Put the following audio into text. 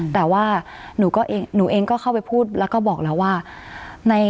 แต่ว่าหนูเองก็เข้าไปพูดแล้วก็บอกแล้วว่า